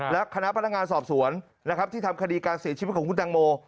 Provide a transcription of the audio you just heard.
และคณะพนักงานสอบสวนนะครับที่ทำคดีการเสียชีวิตของคุณตังโม